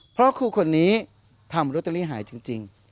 เพราะครูคนนี้ทำรถตัวนี้หายจริง